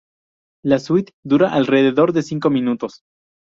La suite dura alrededor de cinco minutos.